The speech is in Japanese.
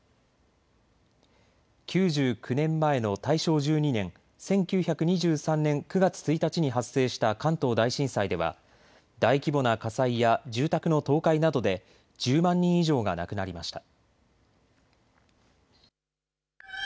９９年前の大正１２年、１９２３年９月１日に発生した関東大震災では大規模な火災や住宅の倒壊などで１０万人以上が亡くなりました。